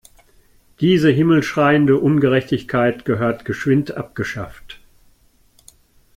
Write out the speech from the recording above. Diese himmelschreiende Ungerechtigkeit gehört geschwind abgeschafft.